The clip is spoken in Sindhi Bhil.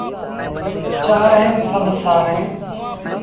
چآڙيٚن سڀ سآريٚݩ۔